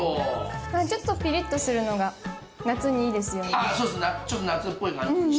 ちょっとピリッとするのが夏にいいですね。